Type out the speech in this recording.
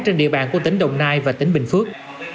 trên địa bàn của tỉnh đồng nai và tỉnh bình phước